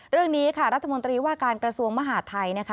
เรื่องนี้ค่ะรัฐมนตรีว่าการกระทรวงมหาดไทยนะคะ